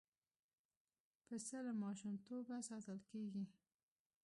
پسه له ماشومتوبه ساتل کېږي.